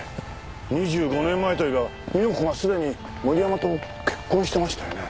２５年前といえば美代子はすでに森山と結婚してましたよね。